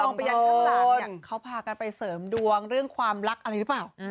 มองไปได้สั้นน่ะอยากเข้าพากันไปเสริมดวงเรื่องความรักอะไรรึเปล่า